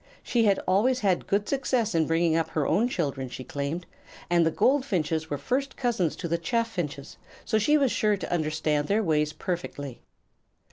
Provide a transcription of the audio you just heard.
She had always had good success in bringing up her own children, she claimed, and the goldfinches were first cousins to the chaffinches, so she was sure to understand their ways perfectly.